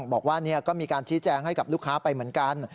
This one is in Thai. บอกว่าก็มีการชี้แจงให้กับลูกค้าไปเหมือนกัน